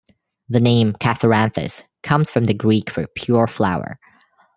The name "Catharanthus" comes from the Greek for "pure flower".